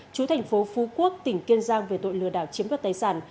chú thành phố phú quốc tỉnh kiên giang về tội lừa đảo chiếm đoạt tài sản